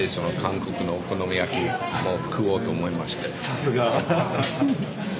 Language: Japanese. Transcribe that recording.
さすが！